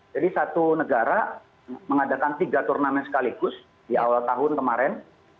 jadi satu negara mengadakan tiga turnamen sekaligus di awal tahun kemarin